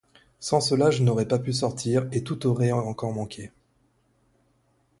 Sans cela je n’aurais pas pu sortir et tout aurait encore manqué.